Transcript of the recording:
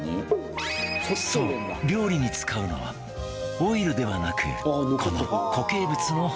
そう料理に使うのはオイルではなくこの固形物の方